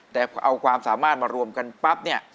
แต่พอเอาความสามารถมารวมกันปั๊บเนี่ย